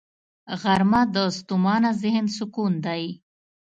غرمه د ستومانه ذهن سکون دی